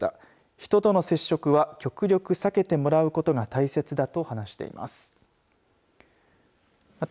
人との接触は極力避けてもらうことが大切だと話しています。